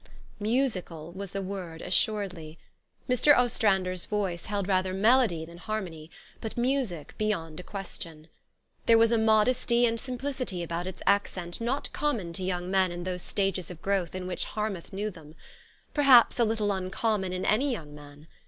Musical was the word assuredly. Mr. Ostrander's voice held rather melody than harmony, but music, beyond a question. There was a modesty and sim plicity about its accent not common to young men in those stages of growth in which Harmouth knew them ; perhaps a little uncommon in any young man.